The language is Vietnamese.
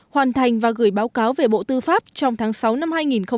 hoàn thành và gửi báo cáo về bộ tư pháp trong tháng sáu năm hai nghìn hai mươi